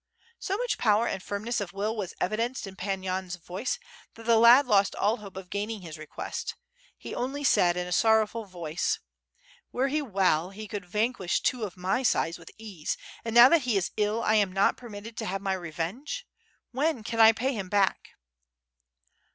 So much power and firmness of will was evidenced in Pan Yan's vodce that the lad lost all hope of gaining his request; he only said, in a sorrowful voice: "Were he well, he could vanquish two of my size with ease, and now that he is ill, I am not permitted to have my revenge — when can I pay him back?"